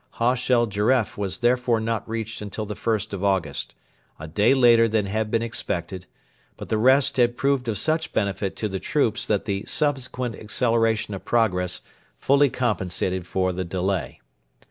Hosh el Geref was therefore not reached until the 1st of August a day later than had been expected; but the rest had proved of such benefit to the troops that the subsequent acceleration of progress fully compensated for the delay.